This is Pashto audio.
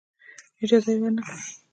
اجازه یې ورنه کړه.